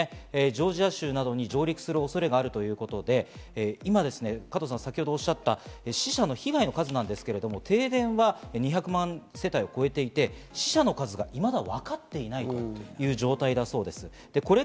ジョージア州などに上陸する恐れがあるということで、今、加藤さんが先ほどおっしゃった死者の被害の数なんですけれども、停電は２００万世帯を超えていて、死者の数がいまだわかっていないという状態だそうです。